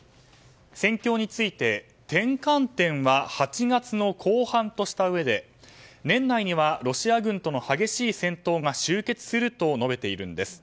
戦況について転換点は８月の後半としたうえで年内にはロシア軍との激しい戦闘が終結すると述べているんです。